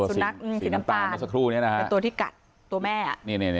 สีน้ำตาลสีน้ำตาลสักครู่นี้นะฮะเป็นตัวที่กัดตัวแม่นี่นี่นี่